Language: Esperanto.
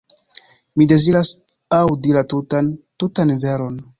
Mi deziras aŭdi la tutan, tutan veron.